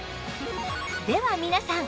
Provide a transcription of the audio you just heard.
では皆さん！